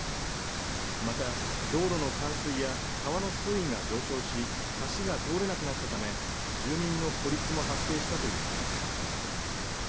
また道路の冠水や川の水位が上昇し橋が通れなくなったため住民の孤立も発生したということです。